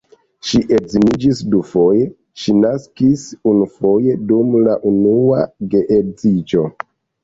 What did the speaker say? Ŝi edziniĝis dufoje, ŝi naskis unufoje dum la unua geedziĝo.